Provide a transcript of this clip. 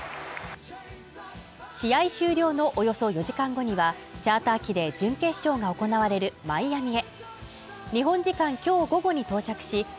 試合終了のおよそ４時間後にはチャーター機で準決勝が行われるマイアミへ。